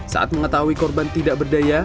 saat mengetahui korban tidak berdaya